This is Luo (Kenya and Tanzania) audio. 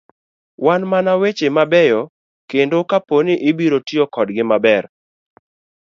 Wan mana weche mabeyo kende kaponi ibiro tiyo kodgi maber.